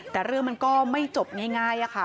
แต่เรื่องมันก็ไม่จบง่ายค่ะ